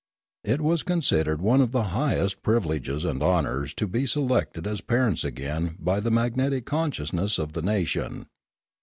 It was considered one of the highest privi leges and honours to be selected as parents again by the magnetic consciousness of the nation.